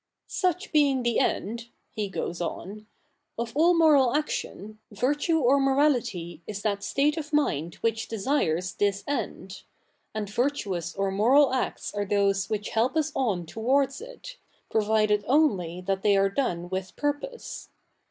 ' Such being tlie end,'' he goes on, ' of all moral action, virtue or morality is that state of mi)id zi'hich desires this end ; and virtuous or moral acts are those which Jielp us on towards it, provided only that they are do?ie with purpose.